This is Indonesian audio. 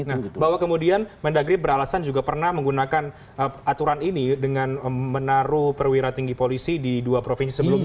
nah bahwa kemudian mendagri beralasan juga pernah menggunakan aturan ini dengan menaruh perwira tinggi polisi di dua provinsi sebelumnya